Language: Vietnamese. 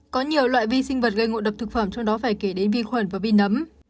có nhiều loại vi sinh vật gây ngộ độc thực phẩm trong đó phải kể đến vi khuẩn và vi nấm